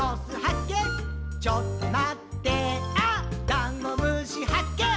ダンゴムシはっけん